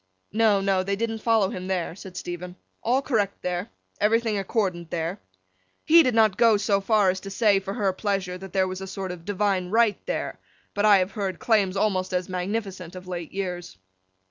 No, no; they didn't follow him there, said Stephen. All correct there. Everything accordant there. (He did not go so far as to say, for her pleasure, that there was a sort of Divine Right there; but, I have heard claims almost as magnificent of late years.)